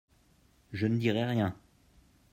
je ne dirai rien.